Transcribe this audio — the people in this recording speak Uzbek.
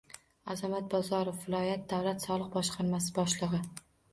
Azamat Bozorov - viloyat davlat soliq boshqarmasi boshlig'i.